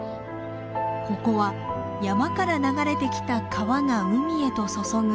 ここは山から流れてきた川が海へと注ぐ河口。